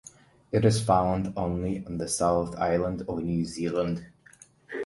It is found only on the South Island of New Zealand.